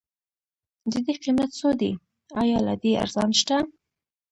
ددې قيمت څو دی؟ ايا له دې ارزان شته؟